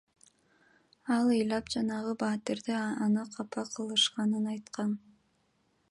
Ал ыйлап жанагы батирде аны капа кылышканын айткан.